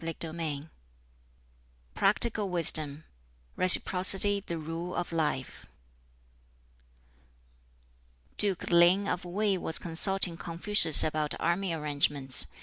] BOOK XV Practical Wisdom Reciprocity the Rule of Life Duke Ling of Wei was consulting Confucius about army arrangements.